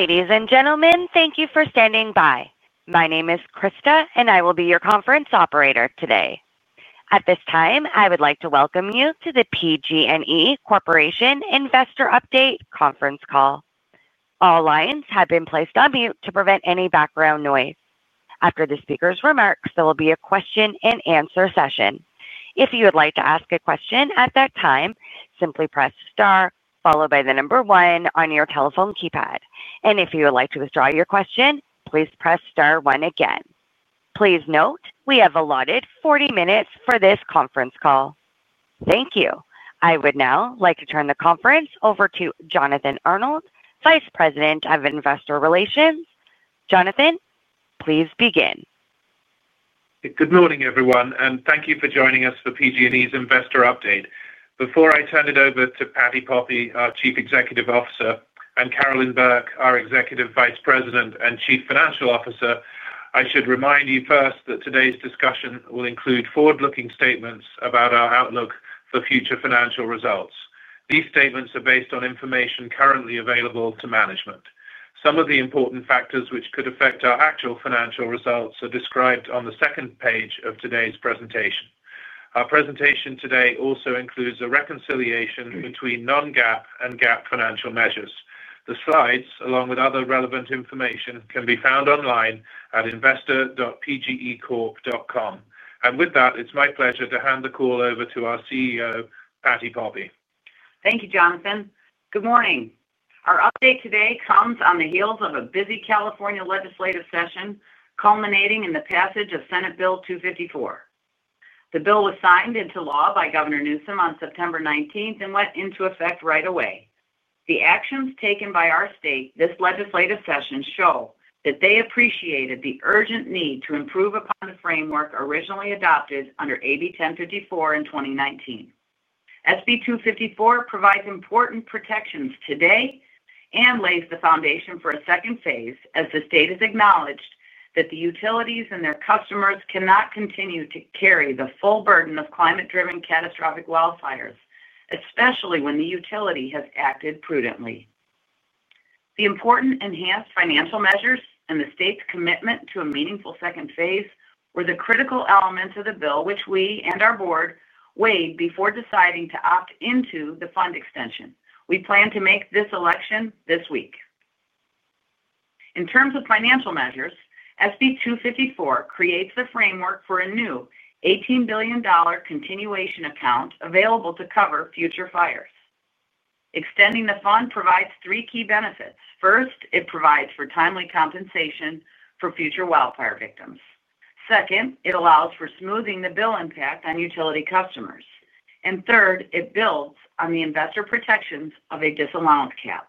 Ladies and gentlemen, thank you for standing by. My name is Krista, and I will be your Conference Operator today. At this time, I would like to welcome you to the PG&E Corporation Investor Update Conference Call. All lines have been placed on mute to prevent any background noise. After the speaker's remarks, there will be a question and answer session. If you would like to ask a question at that time, simply press star, followed by the number one on your telephone keypad. If you would like to withdraw your question, please press star one again. Please note, we have allotted 40 minutes for this conference call. Thank you. I would now like to turn the conference over to Jonathan Arnold, Vice President of Investor Relations. Jonathan, please begin. Good morning, everyone, and thank you for joining us for PG&E's Investor Update. Before I turn it over to Patti Poppe, our Chief Executive Officer, and Carolyn Burke, our Executive Vice President and Chief Financial Officer, I should remind you first that today's discussion will include forward-looking statements about our outlook for future financial results. These statements are based on information currently available to management. Some of the important factors which could affect our actual financial results are described on the second page of today's presentation. Our presentation today also includes a reconciliation between non-GAAP and GAAP financial measures. The slides, along with other relevant information, can be found online at investor.pgecorp.com. With that, it's my pleasure to hand the call over to our CEO, Patti Poppe. Thank you, Jonathan. Good morning. Our update today comes on the heels of a busy California legislative session culminating in the passage of Senate Bill 254. The bill was signed into law by Governor Newsom on September 19th and went into effect right away. The actions taken by our state this legislative session show that they appreciated the urgent need to improve upon the framework originally adopted under AB 1054 in 2019. SB 254 provides important protections today and lays the foundation for a second phase, as the state has acknowledged that the utilities and their customers cannot continue to carry the full burden of climate-driven catastrophic wildfires, especially when the utility has acted prudently. The important enhanced financial measures and the state's commitment to a meaningful second phase were the critical elements of the bill which we and our board weighed before deciding to opt into the fund extension. We plan to make this election this week. In terms of financial measures, SB 254 creates the framework for a new $18 billion continuation account available to cover future fires. Extending the fund provides three key benefits. First, it provides for timely compensation for future wildfire victims. Second, it allows for smoothing the bill impact on utility customers. Third, it builds on the investor protections of a disallowance cap.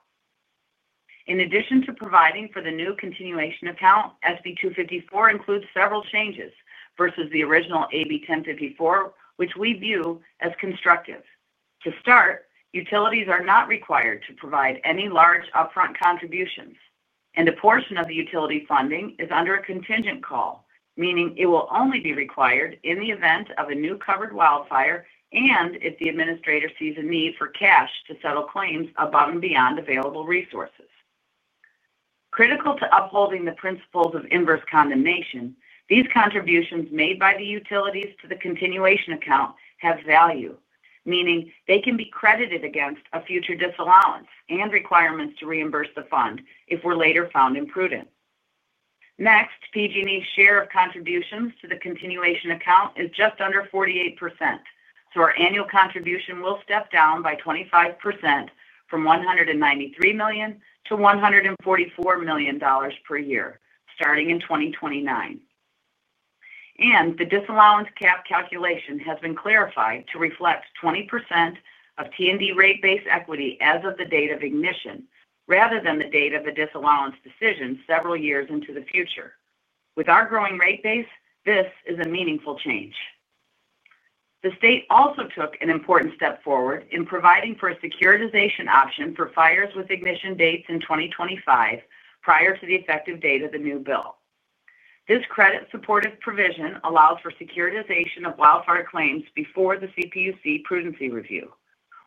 In addition to providing for the new continuation account, SB 254 includes several changes versus the original AB 1054, which we view as constructive. To start, utilities are not required to provide any large upfront contributions, and a portion of the utility funding is under a contingent call, meaning it will only be required in the event of a new covered wildfire and if the administrator sees a need for cash to settle claims above and beyond available resources. Critical to upholding the principles of inverse condemnation, these contributions made by the utilities to the continuation account have value, meaning they can be credited against a future disallowance and requirements to reimburse the fund if we're later found imprudent. Next, PG&E's share of contributions to the continuation account is just under 48%, so our annual contribution will step down by 25% from $193 million-$144 million per year, starting in 2029. The disallowance cap calculation has been clarified to reflect 20% of T&D rate-based equity as of the date of ignition, rather than the date of a disallowance decision several years into the future. With our growing rate base, this is a meaningful change. The state also took an important step forward in providing for a securitization option for fires with ignition dates in 2025 prior to the effective date of the new bill. This credit-supportive provision allows for securitization of wildfire claims before the CPUC prudency review.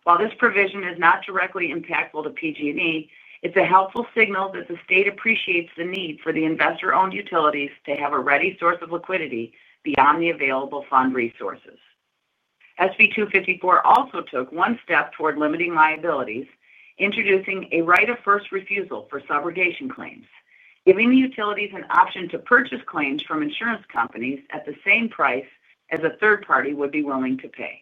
While this provision is not directly impactful to PG&E, it's a helpful signal that the state appreciates the need for the investor-owned utilities to have a ready source of liquidity beyond the available fund resources. SB 254 also took one step toward limiting liabilities, introducing a right of first refusal for subrogation claims, giving the utilities an option to purchase claims from insurance companies at the same price as a third party would be willing to pay.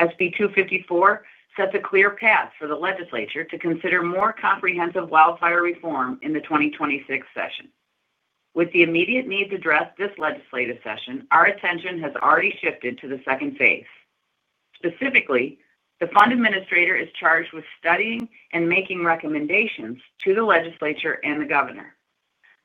SB 254 set the clear path for the legislature to consider more comprehensive wildfire reform in the 2026 session. With the immediate needs addressed this legislative session, our attention has already shifted to the second phase. Specifically, the fund administrator is charged with studying and making recommendations to the legislature and the governor.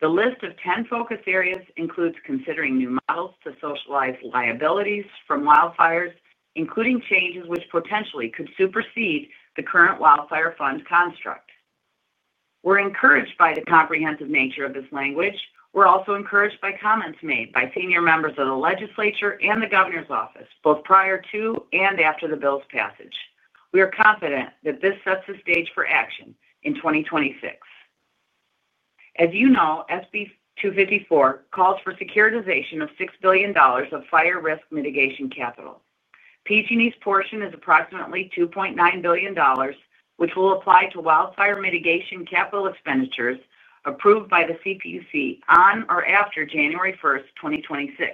The list of 10 focus areas includes considering new models to socialize liabilities from wildfires, including changes which potentially could supersede the current wildfire fund construct. We're encouraged by the comprehensive nature of this language. We're also encouraged by comments made by senior members of the legislature and the governor's office, both prior to and after the bill's passage. We are confident that this sets the stage for action in 2026. As you know, SB 254 calls for securitization of $6 billion of fire risk mitigation capital. PG&E's portion is approximately $2.9 billion, which will apply to wildfire mitigation capital expenditures approved by the CPUC on or after January 1st, 2026.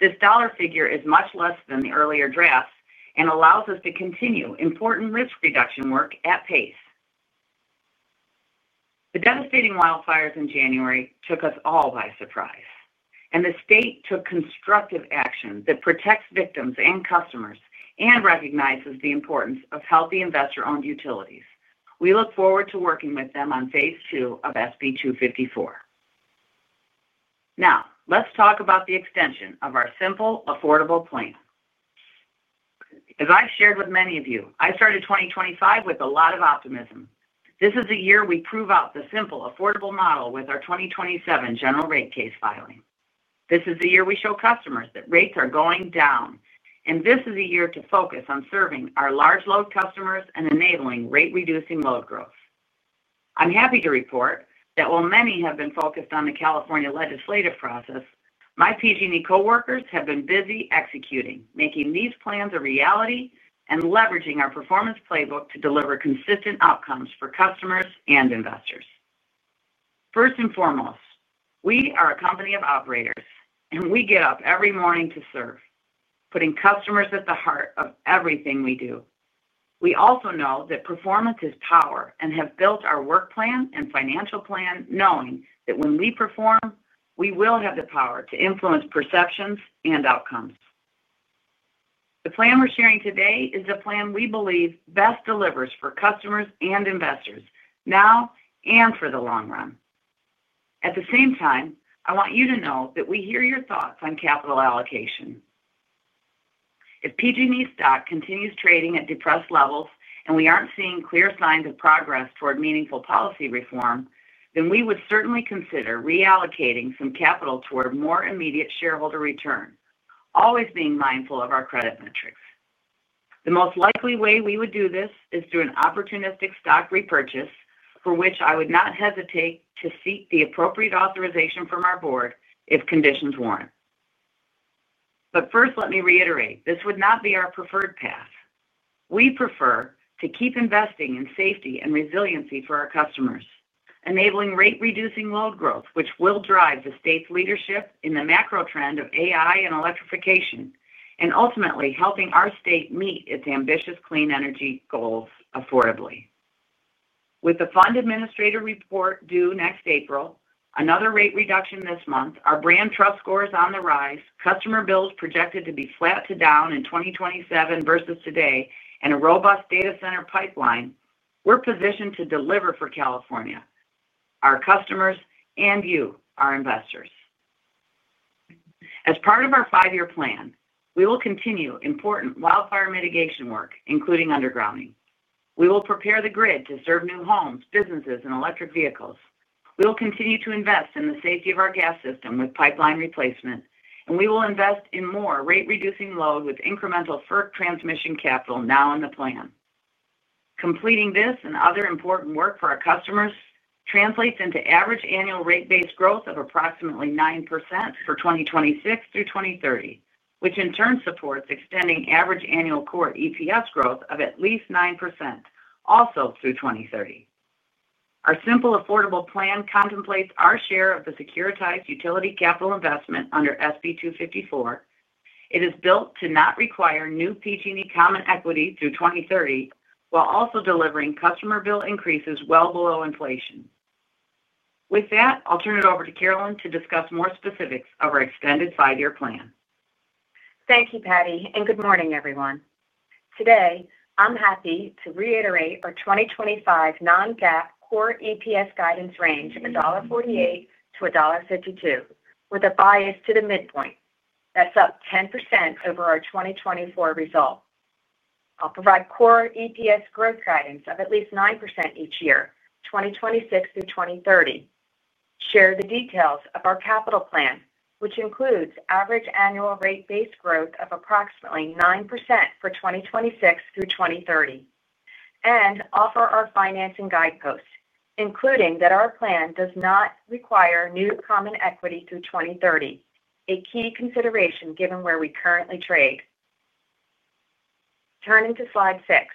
This dollar figure is much less than the earlier drafts and allows us to continue important risk reduction work at pace. The devastating wildfires in January took us all by surprise, and the state took constructive action that protects victims and customers and recognizes the importance of healthy investor-owned utilities. We look forward to working with them on phase II of SB 254. Now, let's talk about the extension of our simple, affordable plan. As I've shared with many of you, I started 2025 with a lot of optimism. This is the year we prove out the simple, affordable model with our 2027 general rate case filing. This is the year we show customers that rates are going down, and this is a year to focus on serving our large load customers and enabling rate-reducing load growth. I'm happy to report that while many have been focused on the California legislative process, my PG&E coworkers have been busy executing, making these plans a reality and leveraging our performance playbook to deliver consistent outcomes for customers and investors. First and foremost, we are a company of operators, and we get up every morning to serve, putting customers at the heart of everything we do. We also know that performance is power and have built our work plan and financial plan, knowing that when we perform, we will have the power to influence perceptions and outcomes. The plan we're sharing today is a plan we believe best delivers for customers and investors now and for the long run. At the same time, I want you to know that we hear your thoughts on capital allocation. If PG&E stock continues trading at depressed levels and we aren't seeing clear signs of progress toward meaningful policy reform, then we would certainly consider reallocating some capital toward a more immediate shareholder return, always being mindful of our credit metrics. The most likely way we would do this is through an opportunistic stock repurchase, for which I would not hesitate to seek the appropriate authorization from our board if conditions warrant. Let me reiterate, this would not be our preferred path. We prefer to keep investing in safety and resiliency for our customers, enabling rate-reducing load growth, which will drive the state's leadership in the macro trend of AI and electrification, and ultimately helping our state meet its ambitious clean energy goals affordably. With the fund administrator report due next April, another rate reduction this month, our brand trust score is on the rise, customer bills projected to be flat to down in 2027 versus today, and a robust data center pipeline, we're positioned to deliver for California, our customers, and you, our investors. As part of our five-year plan, we will continue important wildfire mitigation work, including undergrounding. We will prepare the grid to serve new homes, businesses, and electric vehicles. We'll continue to invest in the safety of our gas system with pipeline replacement, and we will invest in more rate-reducing load with incremental FERC transmission capital now in the plan. Completing this and other important work for our customers translates into average annual rate base growth of approximately 9% for 2026 through 2030, which in turn supports extending average annual core EPS growth of at least 9% also through 2030. Our simple, affordable plan contemplates our share of the securitized utility capital investment under SB 254. It is built to not require new PG&E common equity through 2030, while also delivering customer bill increases well below inflation. With that, I'll turn it over to Carolyn to discuss more specifics of our extended five-year plan. Thank you, Patti, and good morning, everyone. Today, I'm happy to reiterate our 2025 non-GAAP core EPS guidance range of $1.48-$1.52, with a bias to the midpoint. That's up 10% over our 2024 result. I'll provide core EPS growth guidance of at least 9% each year, 2026 through 2030, share the details of our capital plan, which includes average annual rate base growth of approximately 9% for 2026 through 2030, and offer our financing guideposts, including that our plan does not require new common equity through 2030, a key consideration given where we currently trade. Turning to slide six,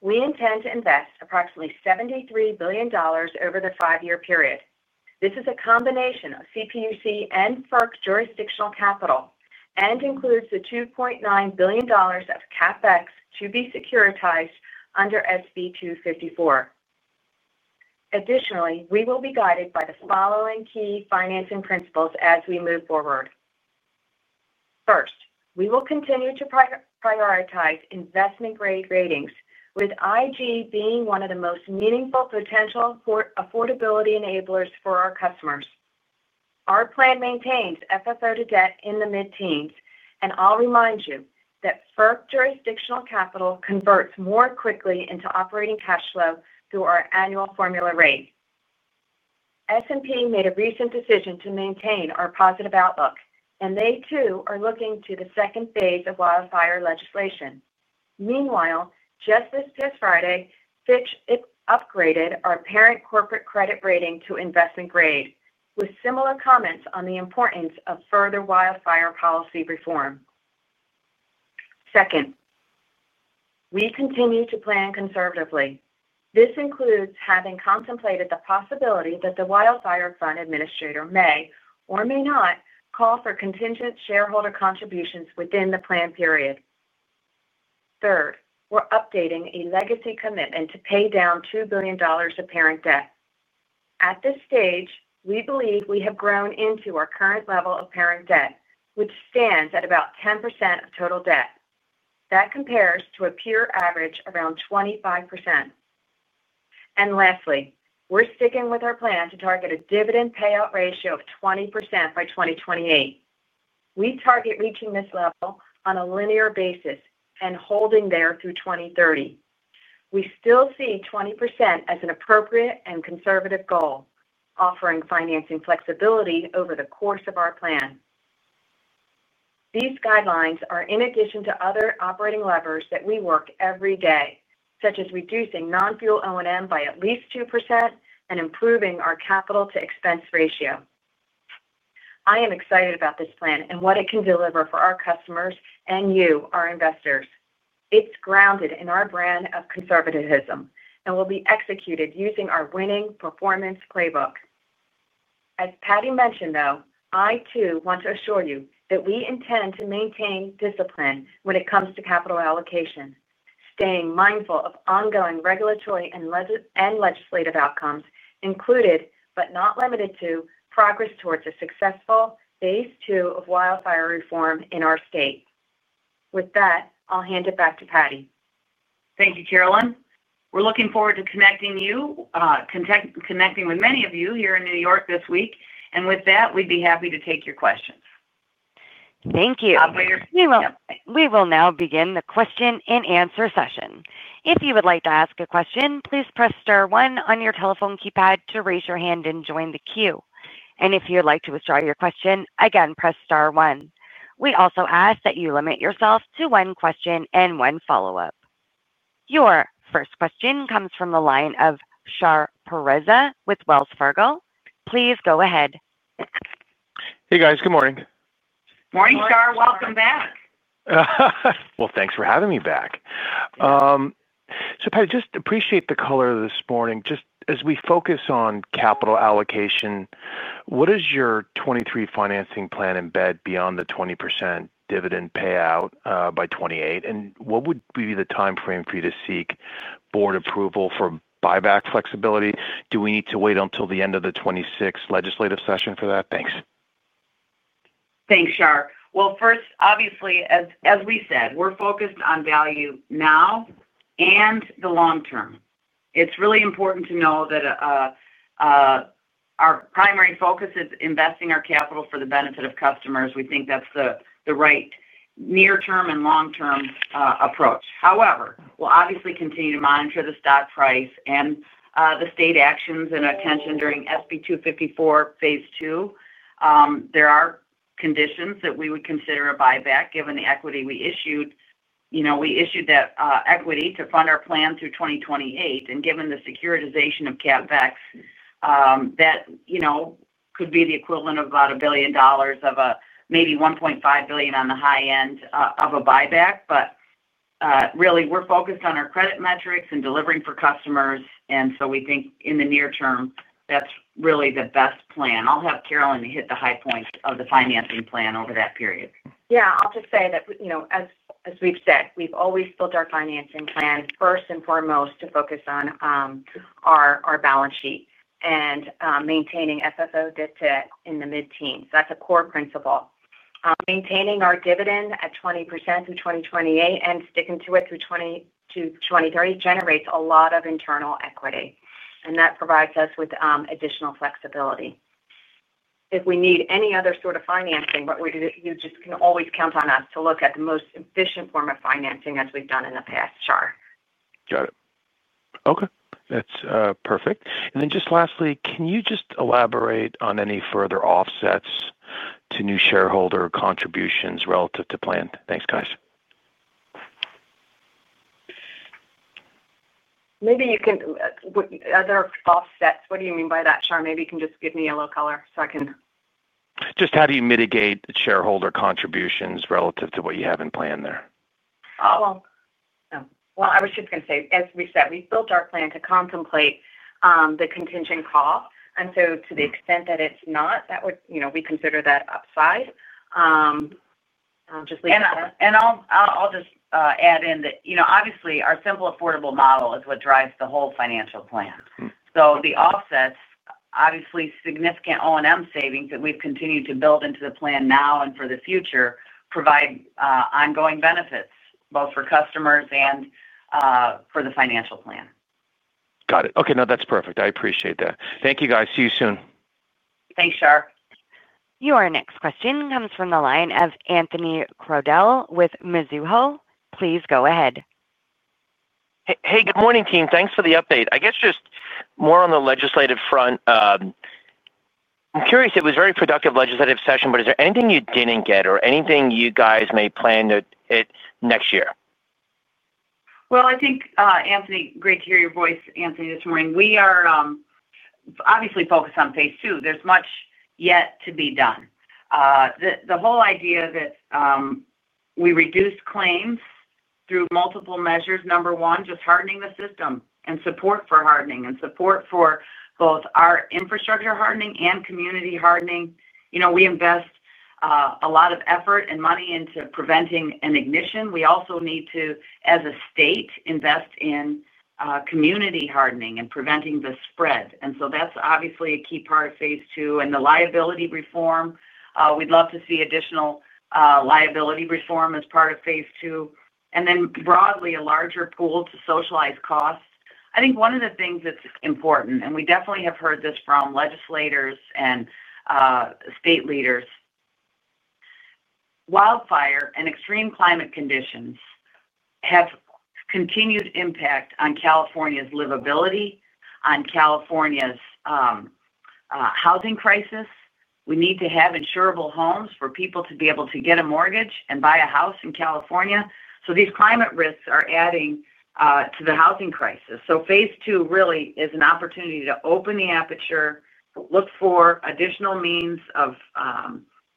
we intend to invest approximately $73 billion over the five-year period. This is a combination of CPUC and FERC jurisdictional capital and includes the $2.9 billion of CapEx to be securitized under SB 254. Additionally, we will be guided by the following key financing principles as we move forward. First, we will continue to prioritize investment-grade ratings, with IG being one of the most meaningful potential affordability enablers for our customers. Our plan maintains FFO to debt in the mid-teens, and I'll remind you that FERC jurisdictional capital converts more quickly into operating cash flow through our annual formula rate. S&P made a recent decision to maintain our positive outlook, and they too are looking to the second phase of wildfire legislation. Meanwhile, just this past Friday, Fitch upgraded our parent corporate credit rating to investment grade, with similar comments on the importance of further wildfire policy reform. Second, we continue to plan conservatively. This includes having contemplated the possibility that the wildfire fund administrator may or may not call for contingent shareholder contributions within the planned period. Third, we're updating a legacy commitment to pay down $2 billion of parent debt. At this stage, we believe we have grown into our current level of parent debt, which stands at about 10% of total debt. That compares to a peer average of around 25%. Lastly, we're sticking with our plan to target a dividend payout ratio of 20% by 2028. We target reaching this level on a linear basis and holding there through 2030. We still see 20% as an appropriate and conservative goal, offering financing flexibility over the course of our plan. These guidelines are in addition to other operating levers that we work every day, such as reducing non-fuel O&M by at least 2% and improving our capital-to-expense ratio. I am excited about this plan and what it can deliver for our customers and you, our investors. It's grounded in our brand of conservatism and will be executed using our winning performance playbook. As Patti mentioned, though, I too want to assure you that we intend to maintain discipline when it comes to capital allocation, staying mindful of ongoing regulatory and legislative outcomes, included, but not limited to, progress towards a successful phase II of wildfire reform in our state. With that, I'll hand it back to Patti. Thank you, Carolyn. We're looking forward to connecting with many of you here in New York this week. With that, we'd be happy to take your questions. Thank you. We will now begin the question and answer session. If you would like to ask a question, please press star one on your telephone keypad to raise your hand and join the queue. If you would like to withdraw your question, again, press star one. We also ask that you limit yourself to one question and one follow-up. Your first question comes from the line of Shar Pourreza with Wells Fargo. Please go ahead. Hey guys, good morning. Morning, Shar. Welcome back. Patti, just appreciate the color this morning. Just as we focus on capital allocation, what is your 2023 financing plan embed beyond the 20% dividend payout by 2028? What would be the timeframe for you to seek board approval for buyback flexibility? Do we need to wait until the end of the 2026 legislative session for that? Thanks. Thanks, Shar. First, obviously, as we said, we're focused on value now and the long term. It's really important to know that our primary focus is investing our capital for the benefit of customers. We think that's the right near-term and long-term approach. However, we'll obviously continue to monitor the stock price and the state actions and attention during SB 254 phase II. There are conditions that we would consider a buyback given the equity we issued. You know, we issued that equity to fund our plan through 2028. Given the securitization of CapEx, that could be the equivalent of about $1 billion or maybe $1.5 billion on the high end of a buyback. We're focused on our credit metrics and delivering for customers. We think in the near term, that's really the best plan. I'll have Carolyn hit the high points of the financing plan over that period. Yeah, I'll just say that, you know, as we've said, we've always built our financing plan first and foremost to focus on our balance sheet and maintaining FFO debt to debt in the mid-teens. That's a core principle. Maintaining our dividend at 20% through 2028 and sticking to it through 2029-2030 generates a lot of internal equity. That provides us with additional flexibility. If we need any other sort of financing, you just can always count on us to look at the most efficient form of financing as we've done in the past, Shar. Got it. Okay. That's perfect. Lastly, can you just elaborate on any further offsets to new shareholder contributions relative to planned? Thanks, guys. Maybe you can, what other offsets, what do you mean by that, Shar? Maybe you can just give me a low color so I can. Just how do you mitigate shareholder contributions relative to what you have in plan there? As we said, we've built our plan to contemplate the contingent cost. To the extent that it's not, that would, you know, we consider that upside. I'll just leave that. I'll just add in that, you know, obviously, our simple, affordable model is what drives the whole financial plan. The offsets, obviously, significant O&M savings that we've continued to build into the plan now and for the future provide ongoing benefits, both for customers and for the financial plan. Got it. Okay. No, that's perfect. I appreciate that. Thank you, guys. See you soon. Thanks, Shar. Your next question comes from the line of Anthony Crowdell with Mizuho. Please go ahead. Hey, good morning, team. Thanks for the update. I guess just more on the legislative front. I'm curious, it was a very productive legislative session, but is there anything you didn't get or anything you guys may plan next year? I think, Anthony, great to hear your voice, Anthony, this morning. We are obviously focused on phase II. There's much yet to be done. The whole idea that we reduce claims through multiple measures, number one, just hardening the system and support for hardening and support for both our infrastructure hardening and community hardening. You know, we invest a lot of effort and money into preventing an ignition. We also need to, as a state, invest in community hardening and preventing the spread. That's obviously a key part of phase II. The liability reform, we'd love to see additional liability reform as part of phase II. Broadly, a larger pool to socialize costs. I think one of the things that's important, and we definitely have heard this from legislators and state leaders, wildfire and extreme climate conditions have continued impact on California's livability, on California's housing crisis. We need to have insurable homes for people to be able to get a mortgage and buy a house in California. These climate risks are adding to the housing crisis. Phase II really is an opportunity to open the aperture, look for additional means of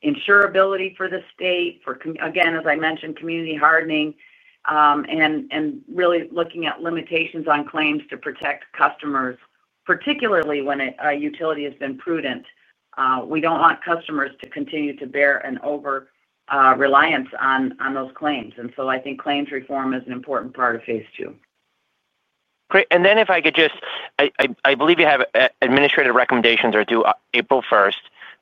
insurability for the state, for, again, as I mentioned, community hardening, and really looking at limitations on claims to protect customers, particularly when a utility has been prudent. We don't want customers to continue to bear an overreliance on those claims. I think claims reform is an important part of phase II. Great. If I could just, I believe you have administrative recommendations are due April 1st.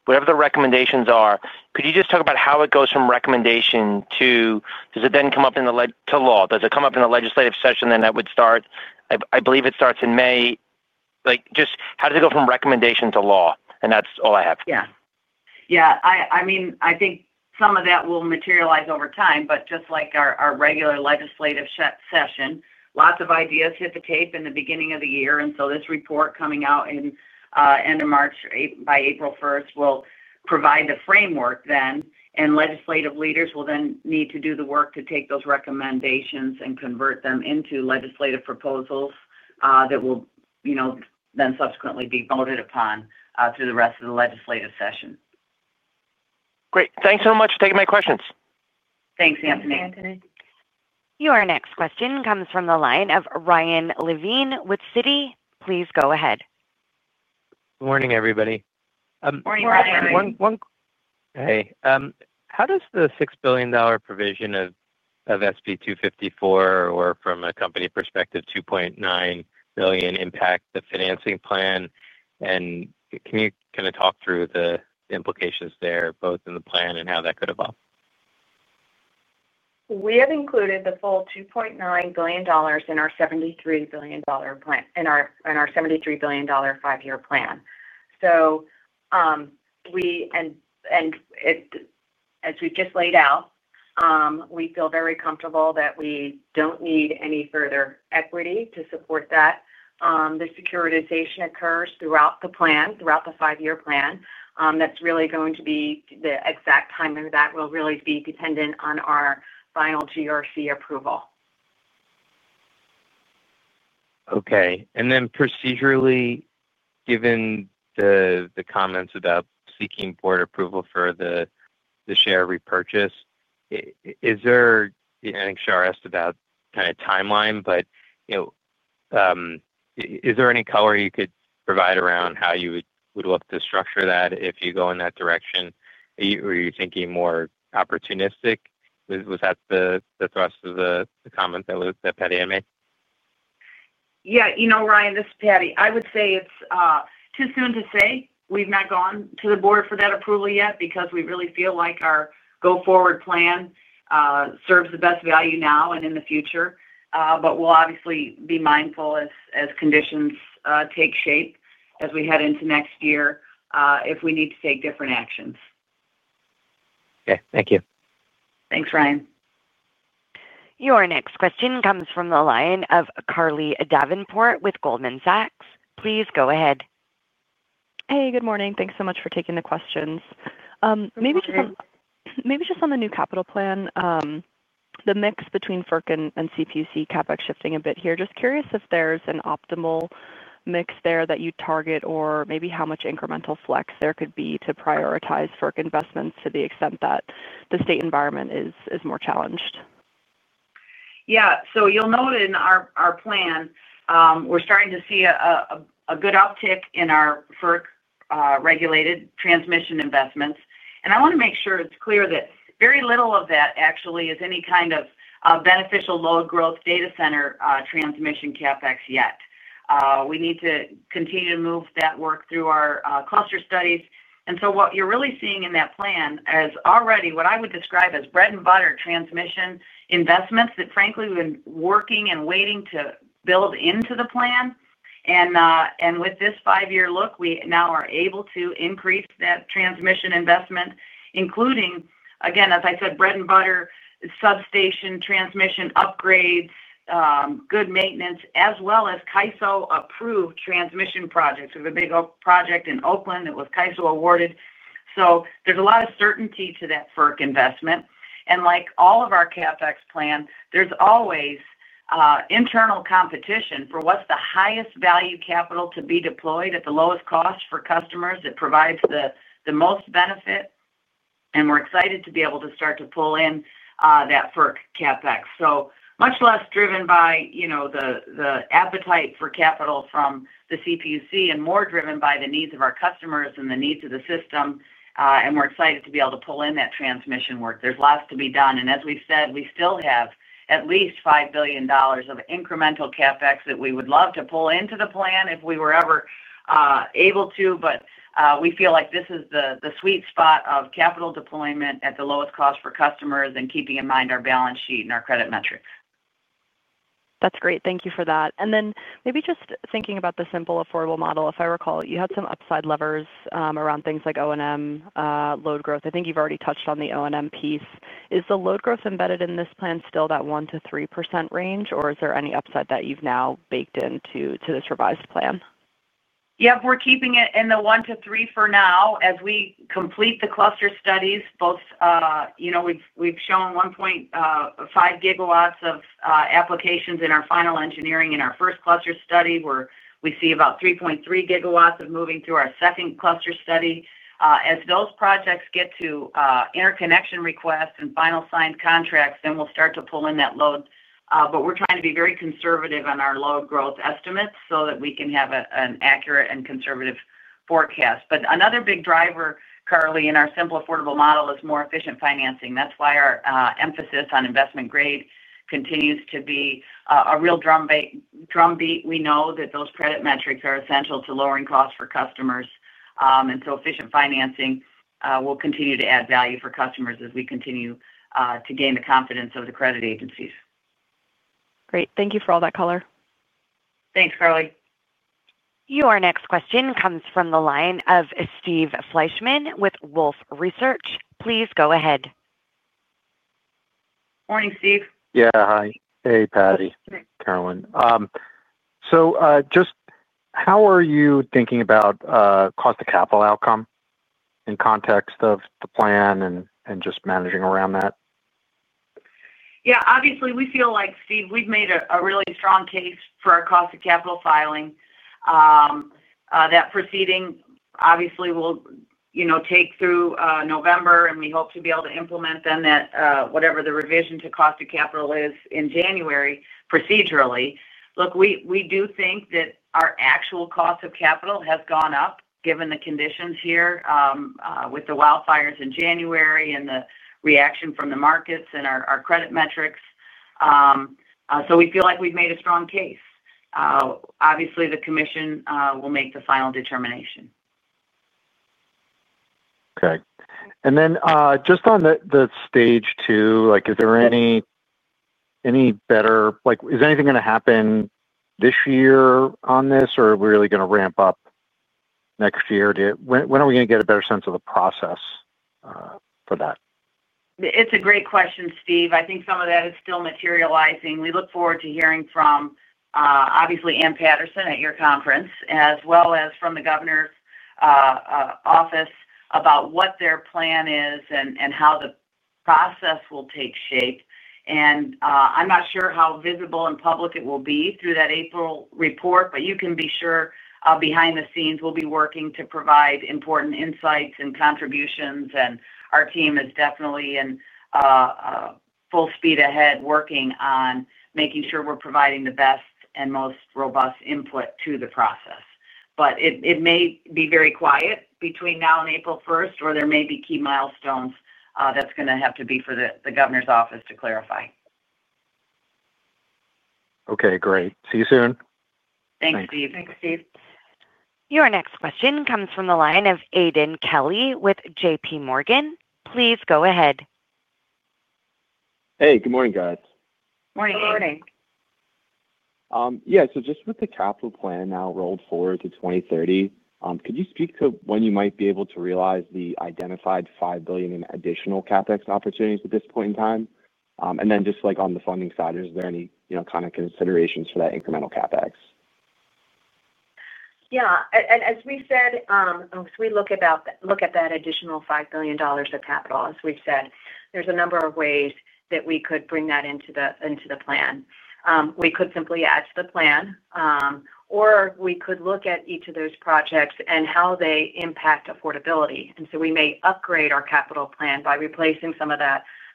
Whatever the recommendations are, could you just talk about how it goes from recommendation to, does it then come up in the leg to law? Does it come up in the legislative session that would start? I believe it starts in May. Just how does it go from recommendation to law? That's all I have. Yeah, I mean, I think some of that will materialize over time, just like our regular legislative session. Lots of ideas hit the tape in the beginning of the year. This report coming out in the end of March by April 1st will provide a framework, and legislative leaders will then need to do the work to take those recommendations and convert them into legislative proposals that will, you know, then subsequently be voted upon through the rest of the legislative session. Great. Thanks so much for taking my questions. Thanks, Anthony. Your next question comes from the line of Ryan Levine with Citi. Please go ahead. Morning, everybody. Morning, Ryan and everyone. Hey, how does the $6 billion provision of SB 254, or from a company perspective, $2.9 billion, impact the financing plan? Can you kind of talk through the implications there, both in the plan and how that could evolve? We have included the full $2.9 billion in our $73 billion plan, in our $73 billion five-year plan. As we've just laid out, we feel very comfortable that we don't need any further equity to support that. The securitization occurs throughout the plan, throughout the five-year plan. That is really going to be, the exact timing of that will really be dependent on our final GRC approval. Okay. Procedurally, given the comments about seeking board approval for the share repurchase, is there, I think Shar asked about kind of timeline, but you know, is there any color you could provide around how you would look to structure that if you go in that direction? Are you thinking more opportunistic? Was that the thrust of the comment that Patti had made? Yeah. You know, Ryan, this is Patti. I would say it's too soon to say. We've not gone to the board for that approval yet because we really feel like our go-forward plan serves the best value now and in the future. We'll obviously be mindful as conditions take shape as we head into next year if we need to take different actions. Okay, thank you. Thanks, Ryan. Your next question comes from the line of Carly Davenport with Goldman Sachs. Please go ahead. Hey, good morning. Thanks so much for taking the questions. Maybe just on the new capital plan, the mix between FERC and CPUC CapEx shifting a bit here. Just curious if there's an optimal mix there that you target, or maybe how much incremental flex there could be to prioritize FERC investments to the extent that the state environment is more challenged. Yeah. You'll note in our plan, we're starting to see a good uptick in our FERC-regulated transmission investments. I want to make sure it's clear that very little of that actually is any kind of beneficial load growth data center transmission CapEx yet. We need to continue to move that work through our cluster studies. What you're really seeing in that plan is already what I would describe as bread and butter transmission investments that, frankly, we've been working and waiting to build into the plan. With this five-year look, we now are able to increase that transmission investment, including, again, as I said, bread and butter substation transmission upgrades, good maintenance, as well as CAISO-approved transmission projects. We have a big project in Oakland that was CAISO awarded. There's a lot of certainty to that FERC investment. Like all of our CapEx plan, there's always internal competition for what's the highest value capital to be deployed at the lowest cost for customers that provides the most benefit. We're excited to be able to start to pull in that FERC CapEx. Much less driven by the appetite for capital from the CPUC and more driven by the needs of our customers and the needs of the system. We're excited to be able to pull in that transmission work. There's lots to be done. As we've said, we still have at least $5 billion of incremental CapEx that we would love to pull into the plan if we were ever able to. We feel like this is the sweet spot of capital deployment at the lowest cost for customers and keeping in mind our balance sheet and our credit metrics. That's great. Thank you for that. Maybe just thinking about the simple, affordable model, if I recall, you had some upside levers around things like O&M load growth. I think you've already touched on the O&M piece. Is the load growth embedded in this plan still that 1%-3% range, or is there any upside that you've now baked into this revised plan? Yeah, we're keeping it in the 1%-3% for now. As we complete the cluster studies, both, you know, we've shown 1.5 GW of applications in our final engineering in our first cluster study, where we'd see about 3.3 GW moving through our second cluster study. As those projects get to interconnection requests and final signed contracts, we'll start to pull in that load. We're trying to be very conservative on our load growth estimates so that we can have an accurate and conservative forecast. Another big driver, Carly, in our simple, affordable model is more efficient financing. That's why our emphasis on investment grade continues to be a real drumbeat. We know that those credit metrics are essential to lowering costs for customers. Efficient financing will continue to add value for customers as we continue to gain the confidence of the credit agencies. Great. Thank you for all that color. Thanks, Carly. Your next question comes from the line of Steve Fleishman with Wolfe Research. Please go ahead. Morning, Steve. Yeah, hi. Hey, Patti. Morning. Carolyn, just how are you thinking about cost of capital outcome in context of the plan and just managing around that? Yeah, obviously, we feel like, Steve, we've made a really strong case for our cost of capital filing. That proceeding will take through November, and we hope to be able to implement then that whatever the revision to cost of capital is in January procedurally. Look, we do think that our actual cost of capital has gone up given the conditions here with the wildfires in January and the reaction from the markets and our credit metrics. We feel like we've made a strong case. Obviously, the commission will make the final determination. Okay. On the stage two, is there any better, like is anything going to happen this year on this, or are we really going to ramp up next year? When are we going to get a better sense of the process for that? It's a great question, Steve. I think some of that is still materializing. We look forward to hearing from, obviously, Anne Patterson at your conference, as well as from the Governor's office about what their plan is and how the process will take shape. I'm not sure how visible and public it will be through that April report, but you can be sure behind the scenes, we'll be working to provide important insights and contributions. Our team is definitely full speed ahead working on making sure we're providing the best and most robust input to the process. It may be very quiet between now and April 1st, or there may be key milestones. That's going to have to be for the Governor's office to clarify. Okay, great. See you soon. Thanks, Steve. Thanks, Steve. Your next question comes from the line of Aiden Kelly with JPMorgan. Please go ahead. Hey, good morning, guys. Morning. Morning. Yeah, just with the capital plan now rolled forward to 2030, could you speak to when you might be able to realize the identified $5 billion in additional CapEx opportunities at this point in time? Then just on the funding side, is there any kind of considerations for that incremental CapEx? Yeah. As we've said, as we look at that additional $5 billion of capital, there's a number of ways that we could bring that into the plan. We could simply add to the plan, or we could look at each of those projects and how they impact affordability. We may upgrade our capital plan by replacing some of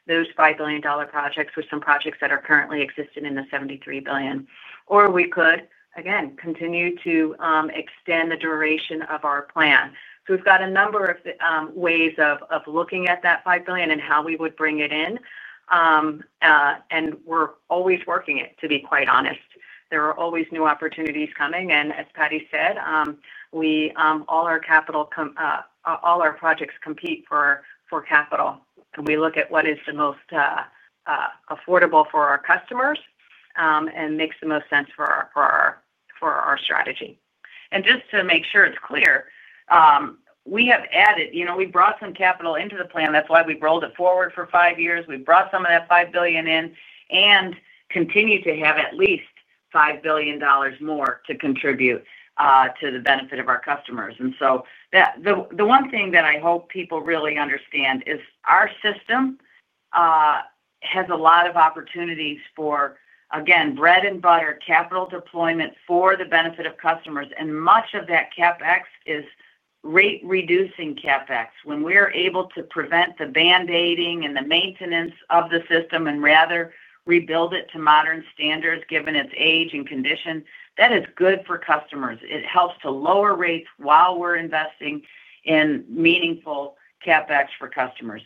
those $5 billion projects with some projects that are currently existing in the $73 billion. We could continue to extend the duration of our plan. We've got a number of ways of looking at that $5 billion and how we would bring it in. We're always working it, to be quite honest. There are always new opportunities coming. As Patti said, all our capital projects compete for capital. We look at what is the most affordable for our customers and makes the most sense for our strategy. Just to make sure it's clear, we have added, you know, we brought some capital into the plan. That's why we've rolled it forward for five years. We brought some of that $5 billion in and continue to have at least $5 billion more to contribute to the benefit of our customers. The one thing that I hope people really understand is our system has a lot of opportunities for, again, bread and butter capital deployment for the benefit of customers. Much of that CapEx is rate-reducing CapEx. When we are able to prevent the band-aiding and the maintenance of the system and rather rebuild it to modern standards, given its age and condition, that is good for customers. It helps to lower rates while we're investing in meaningful CapEx for customers.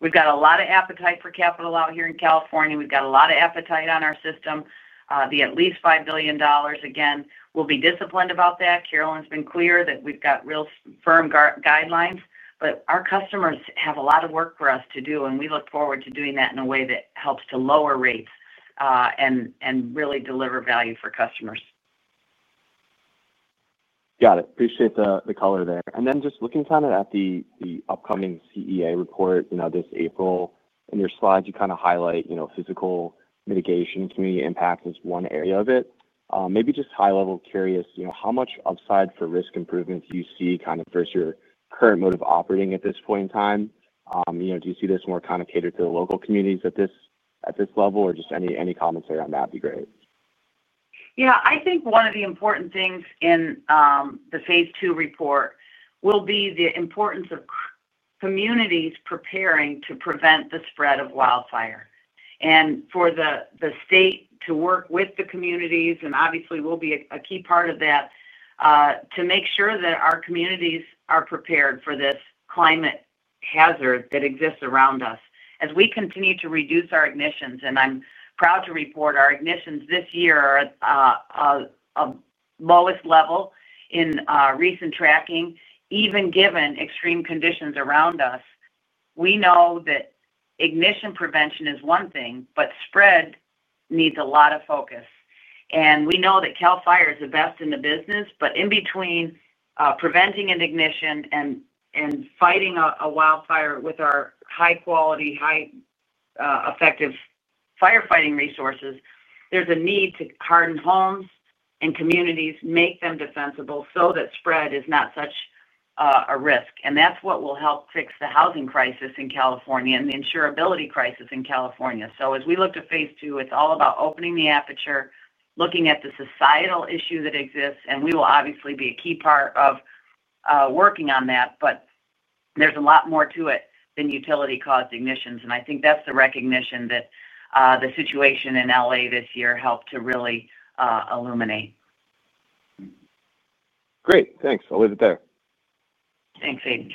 We've got a lot of appetite for capital out here in California. We've got a lot of appetite on our system. The at least $5 billion, again, we'll be disciplined about that. Carolyn's been clear that we've got real firm guidelines, but our customers have a lot of work for us to do, and we look forward to doing that in a way that helps to lower rates and really deliver value for customers. Got it. Appreciate the color there. Just looking at the upcoming CEA report this April, in your slides, you highlight physical mitigation and community impact as one area of it. Maybe just high-level, curious how much upside for risk improvements do you see for your current mode of operating at this point in time? Do you see this more catered to the local communities at this level, or just any commentary on that would be great? Yeah, I think one of the important things in the phase II report will be the importance of communities preparing to prevent the spread of wildfire. For the state to work with the communities, and obviously, we'll be a key part of that, to make sure that our communities are prepared for this climate hazard that exists around us. As we continue to reduce our ignitions, I'm proud to report our ignitions this year are at the lowest level in recent tracking, even given extreme conditions around us. We know that ignition prevention is one thing, but spread needs a lot of focus. We know that CAL FIRE is the best in the business, but in between preventing an ignition and fighting a wildfire with our high-quality, high-effective firefighting resources, there's a need to harden homes and communities, make them defensible so that spread is not such a risk. That's what will help fix the housing crisis in California and the insurability crisis in California. As we look to phase II, it's all about opening the aperture, looking at the societal issue that exists, and we will obviously be a key part of working on that. There's a lot more to it than utility-caused ignitions. I think that's the recognition that the situation in LA this year helped to really illuminate. Great. Thanks. I'll leave it there. Thanks, Aiden.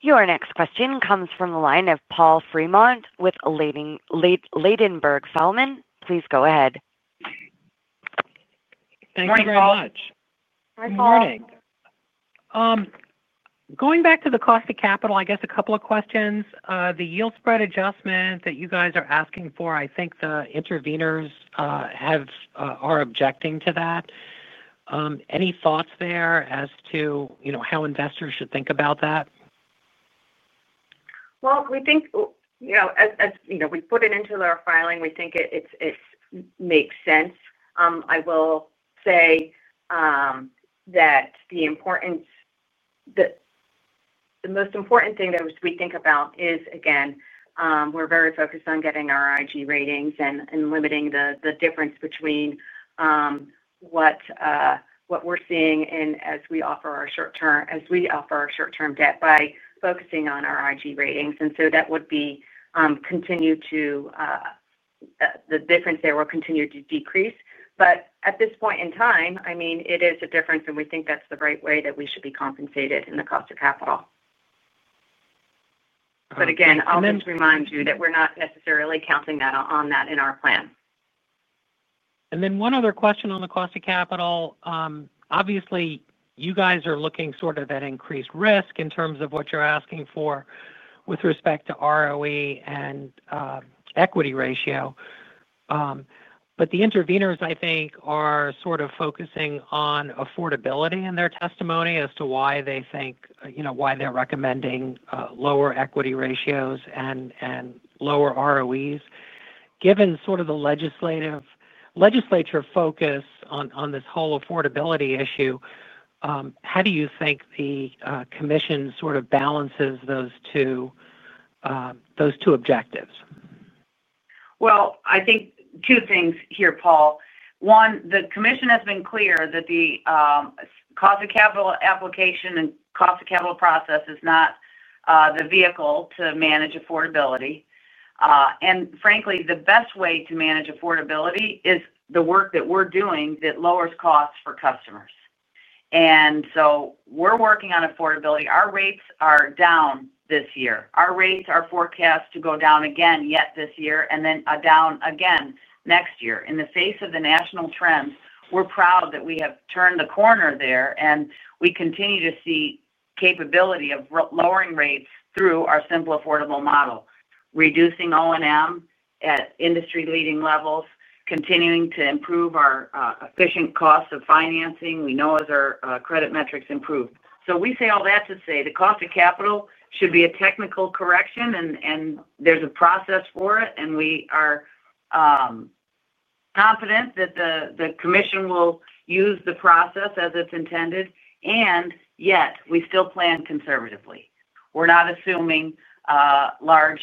Your next question comes from the line of Paul Fremont with Ladenburg Thalmann. Please go ahead. Thank you very much. Morning, Carly. Good morning. Going back to the cost of capital, I guess a couple of questions. The yield spread adjustment that you guys are asking for, I think the interveners are objecting to that. Any thoughts there as to how investors should think about that? As you know, we put it into our filing, we think it makes sense. I will say that the most important thing that we think about is, again, we're very focused on getting our IG ratings and limiting the difference between what we're seeing as we offer our short-term debt by focusing on our IG ratings. That difference will continue to decrease. At this point in time, it is a difference, and we think that's the right way that we should be compensated in the cost of capital. Again, I'll just remind you that we're not necessarily counting on that in our plan. One other question on the cost of capital. Obviously, you guys are looking sort of at increased risk in terms of what you're asking for with respect to ROE and equity ratio. The interveners, I think, are sort of focusing on affordability in their testimony as to why they think, you know, why they're recommending lower equity ratios and lower ROEs. Given sort of the legislature focus on this whole affordability issue, how do you think the commission sort of balances those two objectives? I think two things here, Paul. One, the commission has been clear that the cost of capital application and cost of capital process is not the vehicle to manage affordability. Frankly, the best way to manage affordability is the work that we're doing that lowers costs for customers. We're working on affordability. Our rates are down this year. Our rates are forecast to go down again yet this year and then down again next year. In the face of the national trends, we're proud that we have turned the corner there, and we continue to see the capability of lowering rates through our simple, affordable model, reducing O&M at industry-leading levels, continuing to improve our efficient cost of financing. We know as our credit metrics improve. We say all that to say the cost of capital should be a technical correction, and there's a process for it. We are confident that the commission will use the process as it's intended. Yet, we still plan conservatively. We're not assuming large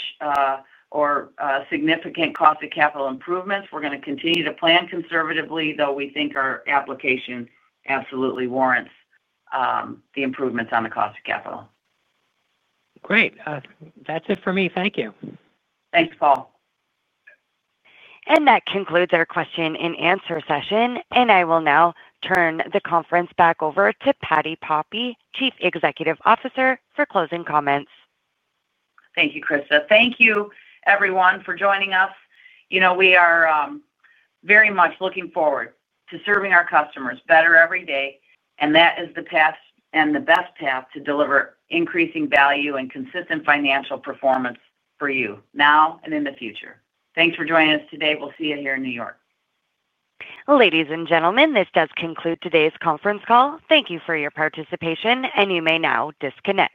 or significant cost of capital improvements. We're going to continue to plan conservatively, though we think our application absolutely warrants the improvements on the cost of capital. Great. That's it for me. Thank you. Thanks, Paul. That concludes our question-and-answer session. I will now turn the conference back over to Patti Poppe, Chief Executive Officer, for closing comments. Thank you, Krista. Thank you, everyone, for joining us. We are very much looking forward to serving our customers better every day. That is the path and the best path to deliver increasing value and consistent financial performance for you now and in the future. Thanks for joining us today. We'll see you here in New York. Ladies and gentlemen, this does conclude today's conference call. Thank you for your participation, and you may now disconnect.